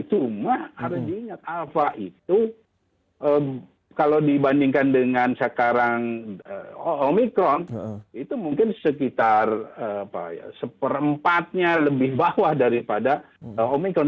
cuma harus diingat alfa itu kalau dibandingkan dengan sekarang omikron itu mungkin sekitar seperempatnya lebih bawah daripada omikron